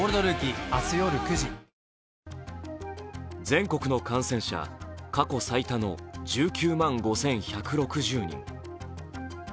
全国の感染者、過去最多の１９万５１６０人。